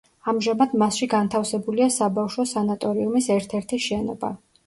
ამჟამად მასში განთავსებულია საბავშვო სანატორიუმის ერთ-ერთი შენობა.